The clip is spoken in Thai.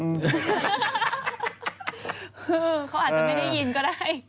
คือเขาอาจจะไม่ได้ยินก็ได้